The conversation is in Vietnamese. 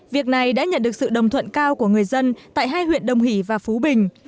việc này đã nhận được sự đồng thuận cao của người dân tại hai huyện đồng hỷ và phú bình